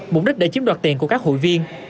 mục đích để chiếm đoạt tiền của các hội viên